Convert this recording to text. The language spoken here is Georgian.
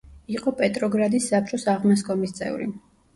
იყო პეტროგრადის საბჭოს აღმასკომის წევრი.